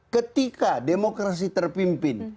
ketika demokrasi terpimpin